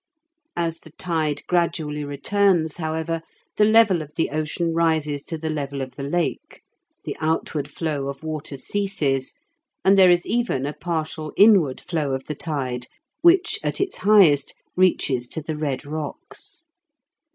As the tide gradually returns, however, the level of the ocean rises to the level of the Lake, the outward flow of water ceases, and there is even a partial inward flow of the tide which, at its highest, reaches to the Red Rocks.